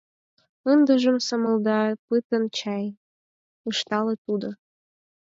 — Ындыжым сомылда пытен чай? — ыштале тудо.